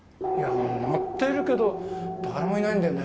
鳴ってるけど誰もいないんだよね。